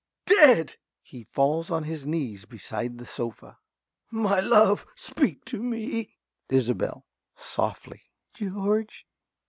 Dead! (He falls on his knees beside the sofa.) My love, speak to me! ~Isobel~ (softly). George!